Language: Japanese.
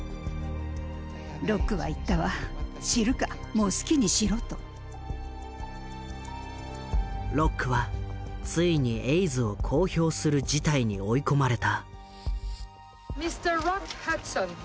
ロックは言ったわロックはついにエイズを公表する事態に追い込まれた。